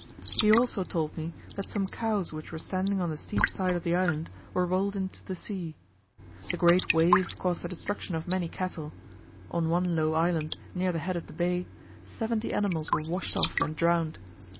He also told me that some cows which were standing on the steep side of the island were rolled into the sea. The great wave caused the destruction of many cattle; on one low island near the head of the bay, seventy animals were washed off and drowned.